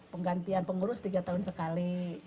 penggantian pengurus tiga tahun sekali